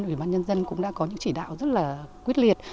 ủy ban nhân dân cũng đã có những chỉ đạo rất là quyết liệt